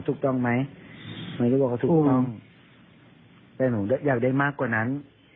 ถูกต้องไหมหนูก็บอกว่าถูกต้องแต่หนูอยากได้มากกว่านั้น